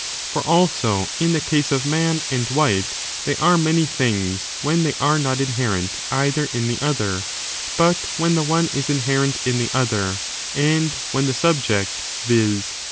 for also, in the case of man and white, they are many things when they are not inherent, either in the other ; but when the one is inherent in the other, and when the subject — ^viz.